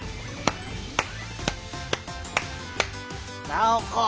ナオコ。